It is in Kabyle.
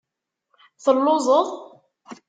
Telluẓeḍ?